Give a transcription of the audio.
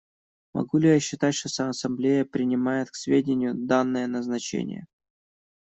Могу ли я считать, что Ассамблея принимает к сведению данное назначение?